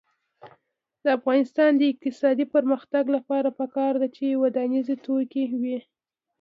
د افغانستان د اقتصادي پرمختګ لپاره پکار ده چې ودانیز توکي وي.